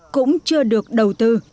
cũng chưa được đầu tư